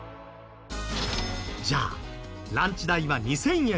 じゃあランチ代は２０００円